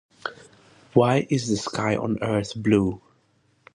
Why is the sky on Earth Blue?